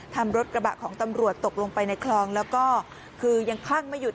ทำรถกระบะของตำรวจตกลงไปในคลองแล้วก็คือยังคลั่งไม่หยุด